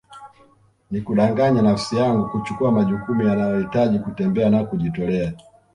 Ni kudanganya nafsi yangu kuchukua majukumu yanayohitaji kutembea na kujitolea